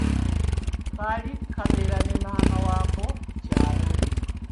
Kaali kabeera ne maama waako mu kyalo.